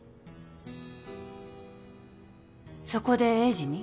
そこで栄治に？